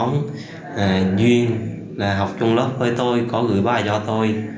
em có nhắn lại với duyên là học trung lớp với tôi có gửi bài cho tôi